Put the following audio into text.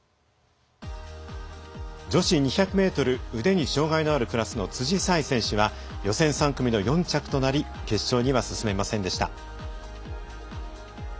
女子２００メートル腕に障がいのあるクラスの辻沙絵選手は予選３組の４着となり決勝には進めませんでした。